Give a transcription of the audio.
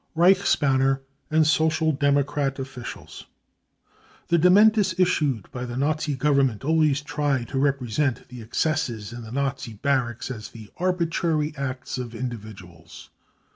Reichsbanner and Social Democrat Officials. The dementis issued by the Nazi Government always try to represe^? the excesses in the Nazi barracks as the arbitrary acts of individuals.